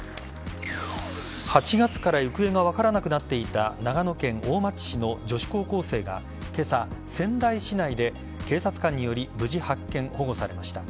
８月から行方が分からなくなっていた長野県大町市の女子高校生が今朝、仙台市内で警察官により無事、発見・保護されました。